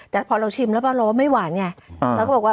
แต่พอเราชิมแล้วเราว่าไม่หวานไงเราก็บอกว่า